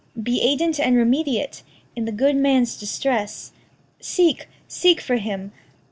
be aidant and remediate In the good man's distress! Seek, seek for him!